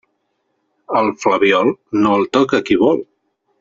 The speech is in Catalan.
El flabiol, no el toca qui vol.